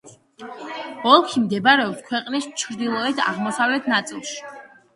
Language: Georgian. ოლქი მდებარეობს ქვეყნის ჩრდილო-აღმოსავლეთ ნაწილში.